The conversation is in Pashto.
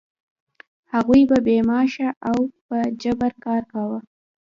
هغوی به بې معاشه او په جبر کار کاوه.